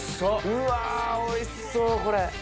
うわおいしそうこれ！